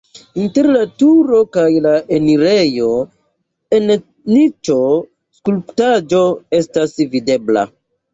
Inter la turo kaj la enirejo en niĉo skulptaĵo estas videbla.